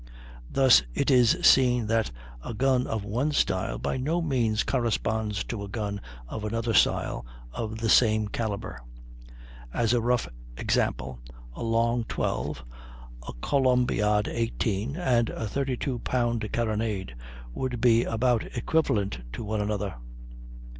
Thus it is seen that a gun of one style by no means corresponds to a gun of another style of the same calibre. As a rough example, a long 12, a columbiad 18, and a 32 pound carronade would be about equivalent to one another.